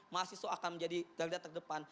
mahasiswa akan menjadi garda terdepan